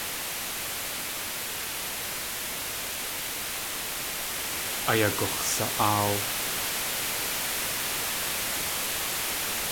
Ayagux̲sa.áaw.